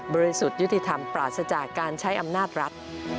สุทธิ์ยุติธรรมปราศจากการใช้อำนาจรัฐ